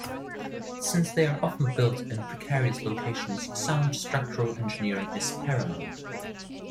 Since they are often built in precarious locations, sound structural engineering is paramount.